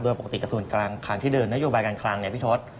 โดยปกติกระทรวงการคลังที่เดินนโยบายการคลังเนี่ยพี่ทศ